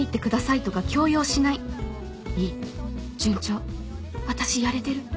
いい順調私やれてる！